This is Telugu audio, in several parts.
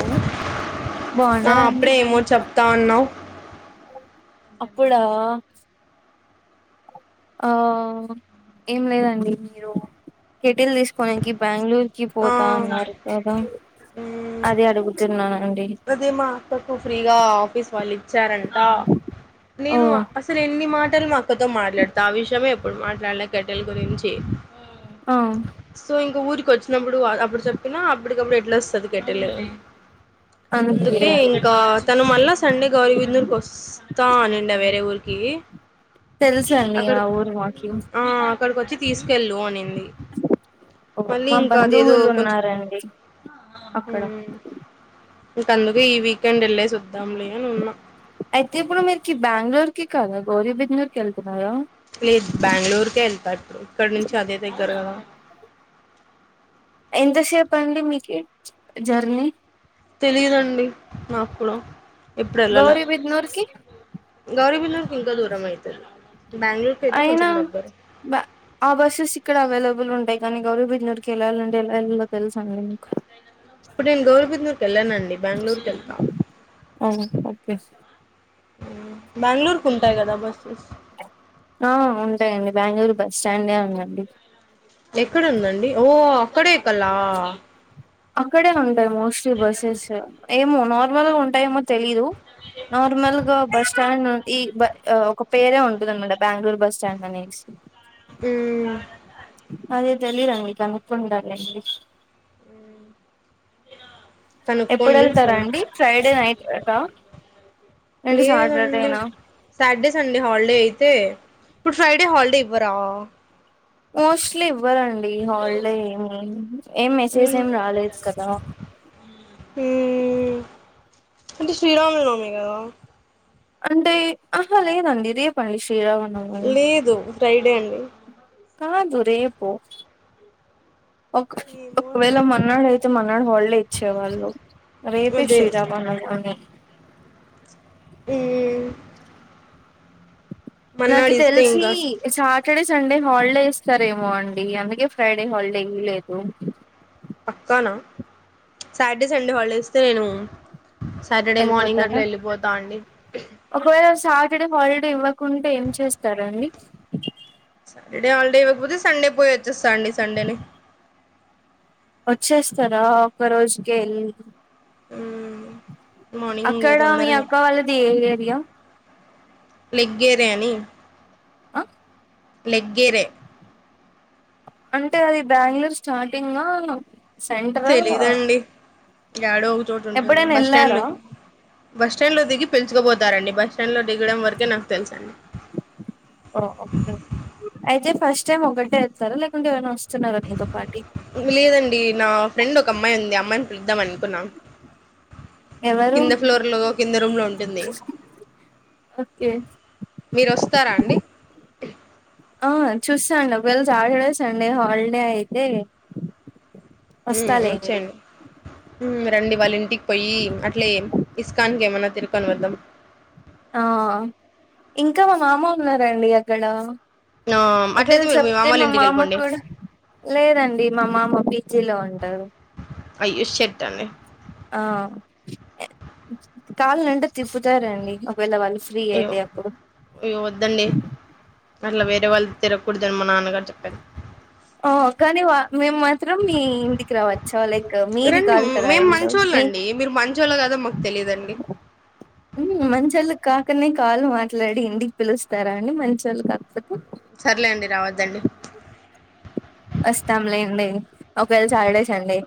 హలో ఆ బాగున్నారా అండి అప్పుడే ఏమో చెప్తా ఉన్నావ్ అప్పుడా ఆ ఏం లేదండి మీరు కెటిల్ తీసుకోనీకి బెంగళూర్ కి ఆ పోతా అన్నారు కదా అదే అడుగుతున్నానండి అది మా అక్కకు ఫ్రీగా ఆఫీస్ వాళ్ళు ఇచ్చారంట ఓ నేను అసలు ఎన్ని మాటలు మాక్ అక్కతో మాట్లాడుతా ఆ విషయమే ఎప్పుడు మాట్లాడలే కెటెల్ గురించి ఆ సో ఇంక ఊరికి వచ్చినప్పుడు అప్పుడు చెప్పినా అప్పటికప్పుడు ఎట్లా వస్తది కట్టెల్ అది అంతే అందుకే ఇంకా తను మళ్ళా సండే గౌరిబిదునూర్ వస్తా అని అన్నిండ వేరే ఊరికి తెలుసండి అక్కడ ఆ ఊరు మాకి ఆ అక్కడికి వచ్చి తీసుకెళ్ళు అనింది ఓ మళ్ళీ మా ఇంకా అది ఏదో బంధువులు కొంచం ఉన్నారండి అక్కడ మ్ ఇంక అందుకే ఈ వీకెండ్ వెళ్ళేసి వద్దాంలే అని ఉన్నా అయితే ఇప్పుడు మీరికి బెంగళూరు కి కాదా గౌరబిందనూర్కి వెళ్తు లేదు బెంగళూరుకే వెళ్తా ఇప్పుడు ఇక్కడ నుంచి అదే దగ్ సరేనా ఎంతసేపు అండి మీకు జర్నీ తెలిదండి నా కూడా ఇప్పుడ వెల్లాలా గౌరీబిద్నూర్ కి గౌరీబిల్లూర్కి ఇంకా దూరం అవుతుంది అయినా బ ఆ బస్సెస్ ఇక్కడ అవైలబుల్ ఉండయి కానీ గౌరిబిదునూర్కి వెళ్లాలంటే ఎలా వెళ్ళాలో తెలుసా అండి మీకు ఇప్పుడు నేను గౌరబిందనూర్కి వెళ్ళనండి బెంగళూరుకి వెళ్తా ఎస్ బెంగళూరుకి ఉంటాయి కదా బస్సెస్ ఆ ఉంటాయండి బెంగళూరు బస్ స్టాండే ఉందండి ఎక్కడుందండి ఓ అక్కడే ఎక్కలా అక్కడే ఉంటాయి మోస్ట్లీ బస్సెస్ ఏమో నార్మల్ గా ఉంటాయేమో తెలీదు నార్మల్ గా బస్ స్టాండ్ ఈ ఒక పేరే ఉంటద అనమాట బెంగళూరు బస్ స్టాండ్ అనేసి మ్మ్ ఆది తెలిదండి కనుకుంటాలేండి ఎప్పుడు కనుక్కోండి వెళ్తారా మళ్ళీ అండి ఫ్రైడే నైటా లేదండి సాటర్డే సండే హాలిడే యితే తే ఫ్రైడే హాలిడే ఇవ్వరా ముస్లిం లేదండి హాలీడే ఏమి ఏం మెసేజ్ ఏమి రాలేదు కదా ఏ అంటే శ్రీరాము నవమి కదా అంటే ఆహా లేదండి రేపండి శ్రీ లేదు ఫ్రైడే అండి కాదు రేపు ఒక ఏమో ఒకవేళ అండి మన్నాడయితే మన మనకి హాలిడే ఇచ్చేవాళ్ళు రేపే అదే శ్రీ రామనవమి మ్ నాకి తెలిసి ఇంకా సాటర్డే సన్ సండే హాలిడే ఇస్తారేమో అండి అందుకే ఫ్రైడే హాలిడే ఇ లేదు పక్కానా సాటర్డే సండే హాలిడిస్తే నేను సాటర్డే మార్నింగ్ అట్లా వెళ్ళిపోతారా వెళ్ళిపోతా అండి ఇక్కడే హాలిడే ఇవ్వకుంటే ఏం చేస్తారండి సాటర్డే హాలిడే ఇవ్వకపోతే సండే పోయి వచ్చాస్త అండి సండే నే వచ్చేస్తారా ఒక రోజుకే ఎల్లి హ్మ్ మార్నింగ్ అక్కడ మీ తొందరగా అక్క వాళ్ళది ఏ ఏరియా లెగ్గేర్యాని ఆ లెగ్గర అంటే అది బెంగళూరు స్టార్టింగ్గా సెంట్ర ఆ ఏడో ఒక చోటు ఉంటుంది బస్ స్టాండ్ లో బస్ స్టాండ్ లో దిగి పిలిచకపోతారండి బస్ బస్ స్టాండ్ లో దిగడం వరకే నాకు తెలుసండి ఓ ఓకే అయితే ఫస్ట్ టైమ్ ఒకటే వచ్చారా లేకుంటే ఎవరన్నా వస్ మ్ లేదండి నా ఫ్రెండ్ ఒక అమ్మాయి ఉంది ఆ అమ్మాయిని పిలుద్దాం అనుకున్నా ఎవరు రూమ్ లో ఉంటుంది ఓకే మీరు వస్తారా అండి ఆ చూసాండి ఒకవళ్ళ సాటర్డే సండే హాలిడే అయితే మ్ వస్తాలేండి వచ్చండి మ్ రండి వాళ్ళింటికి పోయి అట్లే ఇస్కాన్ కి ఏమన్నా తిరుకొని వద్దాం ఆ ఇంకా మా మామ ఉన్నారండి అక్కడ ఆ, ఒకవేళ అట్లయితే మీరు మీ చెప్తే మామూలు మా ఇంటికి మామ వెళ్ళిపోండి కూడా లేదండి మా మామ జిలో అన్ అయ్యో షట్ అండి కాళ్ళంటే తిప్పుతారండి ఒకవేళ వాళ్ళు ఫ్రీ అయ్యో అయితే అప్పుడు అయ్య వద్దండి అట్లా వేరే వాళ్ళు తిరగకూడదు అన్ మా నాన్నగారు చెప్పారు ఆ కానీ వా మేము మాత్రం మీ ఇంటికి రావచ్చా లైక్ మీది రండి కాదు కదా ఆ మేము ఇల్లు మీ మంచోళ్ళండి మీరు మంచి వాళ్ళ కదో మాకు తెలీదండి ఉ మంచొల్లు కాకనే కాళ్ళు మాట్లాడి ఇంటికి పిలుస్తారా అండి మంచి వాళ్ళు కాకపోతే సర్లే అండి రావద్దండి వస్తాంలేండి ఒకవేళ సాటర్డే సండే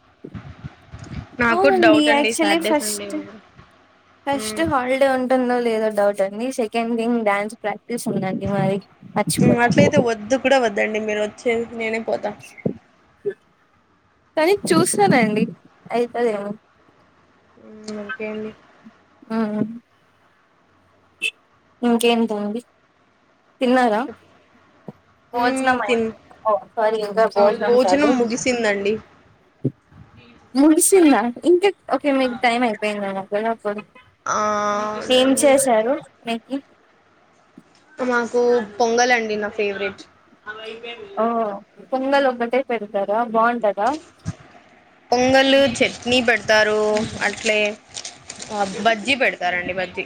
నాకు అవునండి డౌట్ అండి ఆక్చులీ సాటర్డే సండే ఫస్ట్ కూడా. ఫస్ట్ మ్మ్ హాలిడే ఉంటుందో లేదొ డౌట్ ఉంది సెకండ్ థింగ్ డ్యాన్స్ ప్రాక్టీస్ ఉందండి మరి మర్చిపోయా వదండి మీరు వచ్చే నేనే పోతా కానీ చూస్తానండి అయిపయ్యో మ్ అంతెండి హ్మ్ ఇంకేంటండి తిన్నారా మ్మ్ భోజనం తిన్ అయ్యింది ఓ సారీ ఇంకా ఆ బోజనం భోజనం చాలు ముగిసిందండి ముగిసిందా ఇంక ఒకే మీకు టైం అయిపోయిందక్కడప్పుడు ఆ ఏం అవునండి చేశారు మీకు మాకు పొంగల్ అండి నా ఫేవరెట్ ఆఓ పొంగల్ ఒబటే పెడతారా బాగుంటదా పొంగల్ చట్నీ పెడతారు అట్లే బజ్జీ పెడతారండి బజ్జీ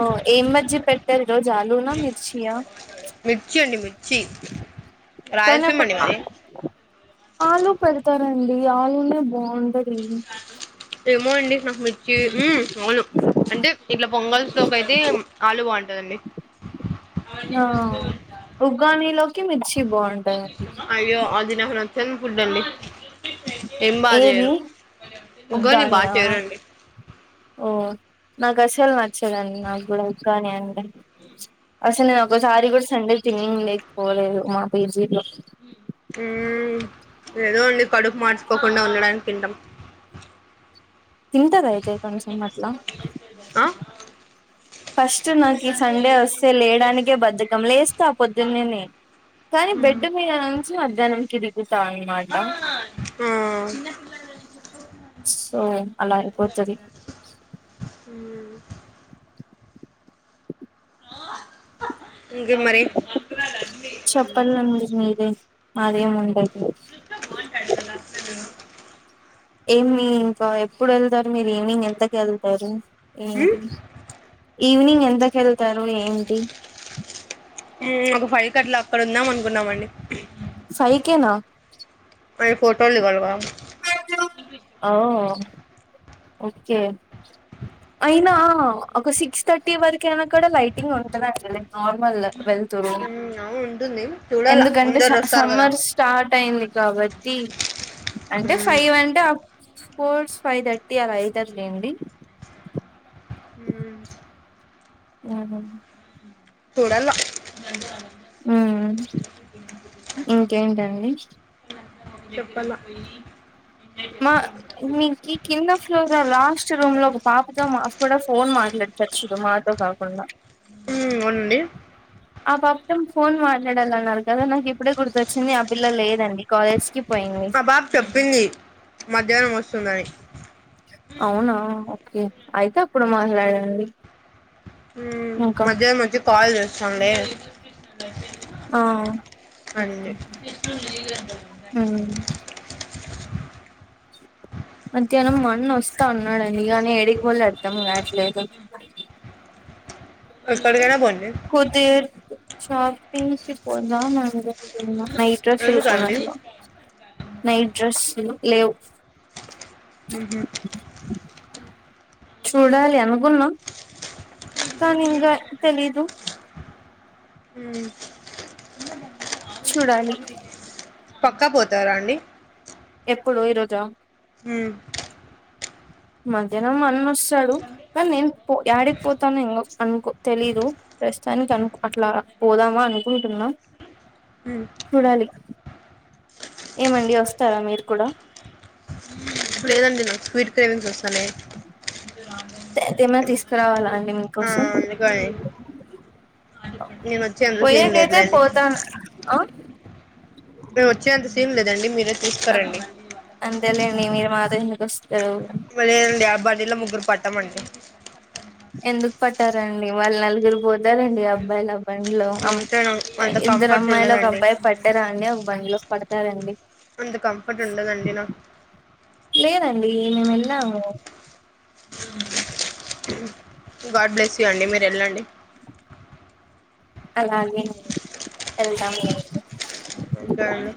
ఓ ఏం మధ్య పెట్టారు రోజాలునా నిర్చియా మిర్చి అండి మిర్చి కానీ రాయలసీమ అప్పుడు అండి మాది ఆలు పెడతారంండి ఆలునే బాగుండది ఏమో అండి నాకు మిచ్చి అవును అంటే ఇట్లా పొంగల్ సోపు అయితే ఆలు బాగుంటదండి ఆ ఉగానీ లోకిమి అయ్యో అదిినహన వచ్చం ఫుడ్డంండి ఏం బా ఏది చేయరుగని బాగా ఉగ్గానియా చేరండి ఓ నాకు అసలు నచ్చదండి నా కానీ అండి అసలు నేను ఒకసారి కూడా సండేకి ఇవినింగ్ లేకపోలేదు మా పేజీలో ఉ ఏదో అండి కడుకు మార్చుకోకుండా ఉండడానికి తింటాం తింటదాయతేై కొంషన్ మట్లా ఆ ఫస్ట్ నాకు ఈ సండే వస్తే లేయడానికే బధకం లేస్తా ఆ పొద్దున్నే నే కానీ బెడ్ మీద నుంచి మధ్యాహ్నం చాంగ్ మలా ఆ సో అలా అయిపోతుంది అ ఇంకేం మరి చెప్పాలండి మీరే మాదే ఉండదు చ బన్డదదా ఏమి ఇంకా ఎప్పుడు వెళ్తారు మీరు ఈవినింగ్ ఎంతకు వెళ్తారు ఏ ఈవ్నింగ్ ఎంత క ఇస్తారు ఏంటి క్కట్లా అక్కడ ఉందాం అనుకున్నామండి సైకనా అరి ఫోటోలులాల అఓ ఓకే అయినా ఒక సిక్స్ థర్టీ వరక అైనా కూడా లైటింగ్ ఉంటంది అడిలే నార్మల్ వెళ్త్డ అవును ఉంటుంది చూడాల ఎందుకంటే అందరు వస్తారు కదా సమ్మర్స్ స్టార్ట్ అయింది కాబట్టి అంటే ఫైవ్ అంటే ఫోర్స్ ఫైవ్ థర్టీ అలా యిదుర్లేండి హ ఆ చూడలో ఆ ఇంకేంటండి చెప్పాల మా మీకు కింద ఫ్లోగా లాస్ట్ రూమ్ లో ఒక పాపతో మాఫ కూడా ఫోన్ మాట్లాడు చర్చుతో మాట కాకుండా అవునండి ఆ పాపతం ఫోన్ మాట్లాడాల అన్నారు కదా నాకు ఇప్పుడే గుర్తొచ్చింది ఆ పిల్ల లేదండి కాలేజ్ కి పోయింది ఆ బాబు చెప్పింది మధ్యాహ్నం వస్తుందని అవునా ఓకే అయితే అప్పుడు మాట్లాడండి ఇంకా మధ్య మధ్య కాల్ చేస్తాంలే ఆ రండి ఉమ్ మధ్యానం మన్న వోస్తా అన్నడని గానీ ఏడికిపోళో అర్దమ్ కావట్లేదు ఎక్కడి కైన బోం కుదిర్ షాపింగ్ కి పోందా అన్ కుంటున్న నైట్ డ్రసులు ఎందుకండి కొనాల నైట్ డ్రసు లు లేవు ఉహు చూడాలి అనుకునం కానీ ఇంగ తెలీదు హ్మ్ చూడాలి పక్కా పోతారా అండి ఎప్పుడు ఈరోజ ఉమ్ మధ్యానం అన్నోస్తాడు కానీ నేన్ పో యాడి క్ పోతానెమో అనుకో తెలీదు ప్యస్ తానికి ఉమ్ అనుక్ అట్లా పోదామా అనుకుంటున్నా ఉమ్ చూడాలి ఏమండి వస్తారా మీరు కూడా లేదండి నాకు స్వీట్ క్రేవింగ్స్ వస్తున్నాయి తెతేమ తీసుకురావాలా అండి ఆ మీకోసం అందుకని నేను వచ్చేంత పోయే సీన్ కేతే లేదులేండి పోతాన్ ఆ మేమ్ వచ్చేంత సీన్ లేదండి మీరే తీస్ కరండి అంతెలేండి మీరు మాతో ఎందుకోస్ బలే అండి ఆ బండిలో ముగ్గుర్ పట్టామండి ఎందుక్ పట్టారండి వాళ్ నలుగురు పోతారండి అబ్బాల్ అబ్ బండ్ లో అమ్ అంతే అంత ఇద్దరు కంఫర్ట్ అమ్మాయిలు ఒక ఉండదండి అబ్బాయి పట్టారా అండి ఒక బండ్ లో పడతారండి అంత కంఫటు ఉండదండి నాక్ మీము వెళ్ళాము గాడ్ బ్లెస్ యూ అండి మీర్ ఎళ్ళండి అలాగేనండి ఎల్ ళ్తాం మేము ఓకే అండి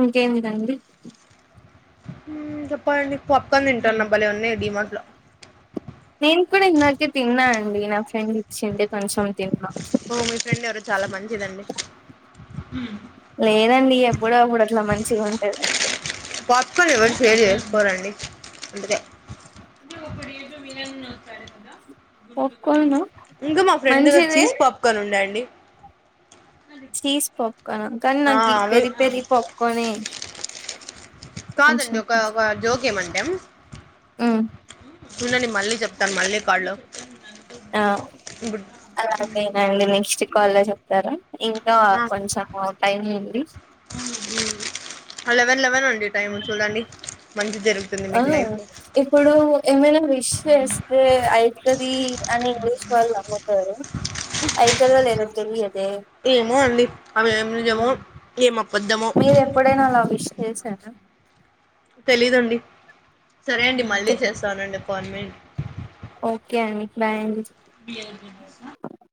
ఇంకేదండి చెప్పండి పాప్ కాన్ తింటాన బలే ఉంది డిమాట్ లో నేను కూడా ఇందకే తిన్నా అండి నా ఫ్రెండ్ ఇచ్చింది కొంచెం తిన్నా ఓ మీ ఫ్రెండ్ ఎవరో చాలా మంచిదండి లేదండి ఎప్పుడో అప్పుడు అట్లా మంచిగా ఉంటద్ అంతే పాప్ కాన్ ఎవర్ షేర్ చేసుకోరండి ఉంటాదే పీర్ వినన్ పాప్కార్న్ [unintelligible] ఇంగ్ మా ఫ్రెండ్ మంచిదే చీజ్ పాప్ కాన్ ఉండే అండి చీస్ పాప్ కాన్ అ కన్ ఆ నాకి అవి పెరి పెరి పాప్ కానే కాదండి ఒక ఒక జోక్యమంటాం హుమ్ చెప్తాను మళ్ళీ కాల్లో ఆ ఇప్పుడు అలాగేనండి నెక్ స్టు కాల్ లో చెప్ తర ఇంకా కొంచము టైం ఉంది అ లెవెన్ లెవెన్ అండ్ ఆ మీకు లైఫ్ లో ఇప్పుడు ఏమైనా విష్ చెస్ ఎ ఐతది అని ఇంగ్లిష్ వాళ్లు లంగోతరు [unintelligible] ఐతే లేన్ తెలీయాద్ ఏమో అండి అవి ఏం నిజమో ఏమో మీరు ఎప్పుడైనా అలా విష్ చేసారా తెలీదండి సరే అండి మళ్ళీ చేస్తానండి ఫన్ మిట్ ఓకే అండి బాయ్ అండి బి యల్ బి మోస [unintelligible]